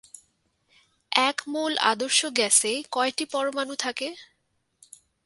এক মোলে আদর্শ গ্যাসে কয়টি পরমাণু থাকে?